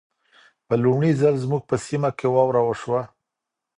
په لمړي ځل زموږ په سيمه کې واوره وشوه.